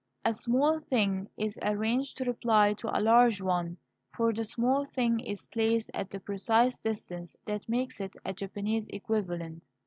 A small thing is arranged to reply to a large one, for the small thing is placed at the precise distance that makes it a (Japanese) equivalent.